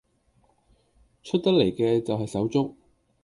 出得嚟嘅就係手足